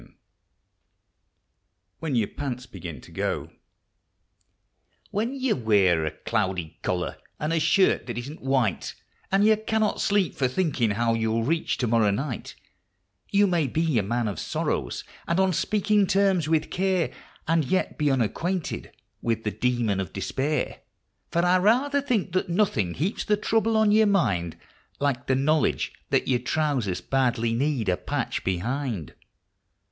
1905 When Your Pants Begin To Go HEN you wear a cloudy collar and a shirt that isn't white, And you cannot sleep for thinking how you'll reach to morrow night, You may be a man of sorrow, and on speaking terms with Care, But as yet you're unacquainted with the Demon of Despair ; For I rather think that nothing heaps the trouble on your mind Like the knowledge that your trousers badly need a patch behind.